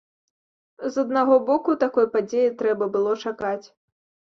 З аднаго боку, такой падзеі трэба было чакаць.